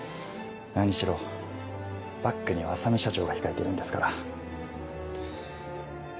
何しろバックには浅海社長が控えてるんですから。